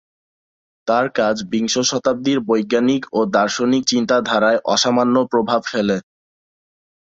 তার কাজ বিংশ শতাব্দীর বৈজ্ঞানিক ও দার্শনিক চিন্তাধারায় অসামান্য প্রভাব ফেলে।